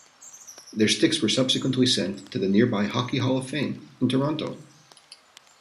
Their sticks were subsequently sent to the nearby Hockey Hall of Fame in Toronto.